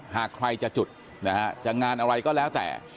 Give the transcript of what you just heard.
หากใครจะจุดนะฮะจะงานอะไรก็แล้วแต่